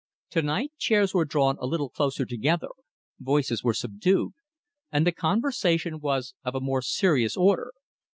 To night chairs were drawn a little closer together, voices were subdued, and the conversation was of a more serious order.